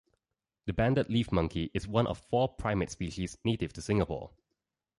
The banded leaf monkey is one of four primate species native to Singapore.